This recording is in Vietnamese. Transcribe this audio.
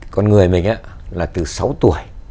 con người mình là từ sáu tuổi